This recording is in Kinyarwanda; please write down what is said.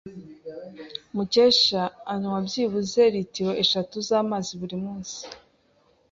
Mukesha anywa byibuze litiro eshatu zamazi buri munsi.